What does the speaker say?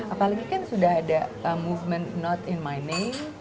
apalagi kan sudah ada movement not in my name